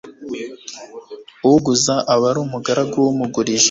uguza aba ari umugaragu w'umugurije”